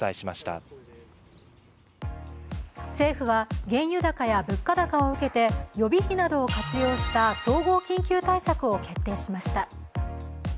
政府は原油高や物価高を受けて予備費などを活用した総合緊急対策を決定しました。